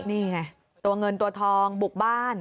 นี่ไงตัวเงินตัวทองบุกบ้าน